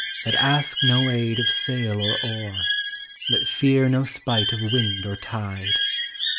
That ask no aid of sail or oar, That fear no spite of wind or tide!